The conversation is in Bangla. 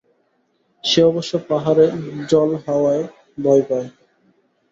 সে অবশ্য পাহাড়ে জলহাওয়ায় ভয় পায়।